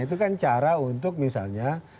itu kan cara untuk misalnya